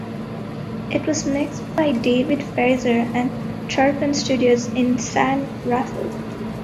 It was mixed by David Frazer at Tarpan Studios in San Rafael.